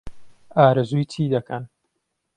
ئارەزووی چی دەکەن؟